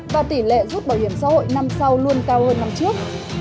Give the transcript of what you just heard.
và tỷ lệ rút bảo hiểm xã hội năm sau luôn cao hơn năm trước